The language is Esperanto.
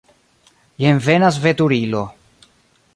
Jen venas veturilo.